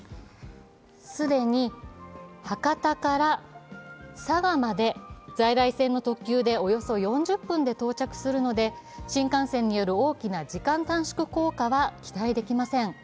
既に博多から佐賀まで在来線の特急でおよそ４０分で到着するので新幹線による大きな時間短縮効果は期待できません。